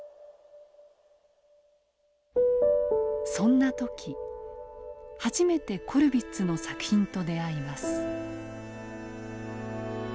そんな時初めてコルヴィッツの作品と出会います。